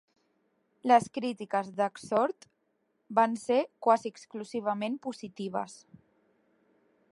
Les crítiques de "Xtort" van ser quasi exclusivament positives.